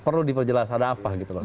perlu diperjelas ada apa gitu loh